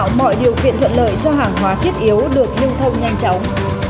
hà nội tạo mọi điều kiện thuận lợi cho hàng hóa thiết yếu được lưu thông nhanh chóng